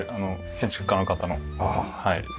建築家の方のはい。